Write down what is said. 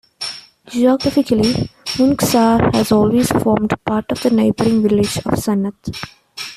Geographically, Munxar has always formed part of the neighbouring village of Sannat.